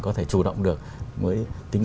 có thể chủ động được mới tính